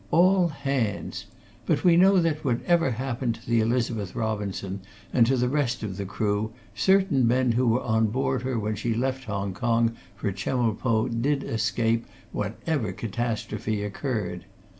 All hands! But we know that, whatever happened to the Elizabeth Robinson, and to the rest of the crew, certain men who were on board her when she left Hong Kong, for Chemulpo, did escape whatever catastrophe occurred.